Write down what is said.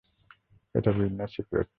এটা business secret.